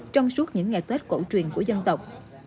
trước những ngày tết cổ truyền của dân tộc